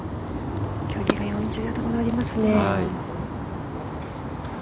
距離が４０ヤードほどありますね。